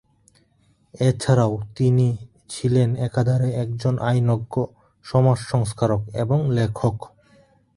এছাড়াও তিনি ছিলেন একাধারে একজন আইনজ্ঞ, সমাজ সংস্কারক এবং লেখক।